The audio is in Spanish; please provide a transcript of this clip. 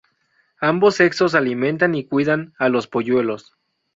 Ambos sexos alimentan y cuidan a los polluelos.